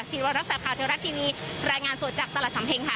สิริวัณรักษัตริย์ขาวเทพรัชทีนี้รายงานส่วนจากตลาดสำเพ็งค่ะ